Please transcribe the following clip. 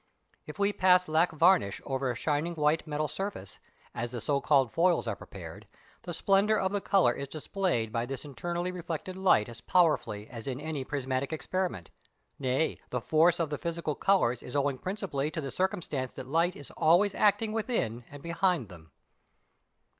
If we pass lac varnish over a shining white metal surface, as the so called foils are prepared, the splendour of the colour is displayed by this internally reflected light as powerfully as in any prismatic experiment; nay, the force of the physical colours is owing principally to the circumstance that light is always acting with and behind them.